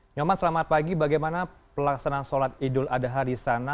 nyoman selamat pagi bagaimana pelaksanaan sholat idul adha di sana